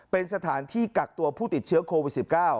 เป็นสถานที่กักตัวผู้ติดเชื้อโควิด๑๙